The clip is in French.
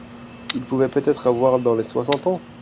Il pouvait peut-être avoir dans les soixante ans.